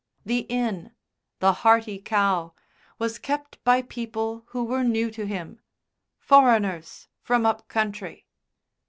The inn, the "Hearty Cow," was kept by people who were new to him "foreigners, from up country."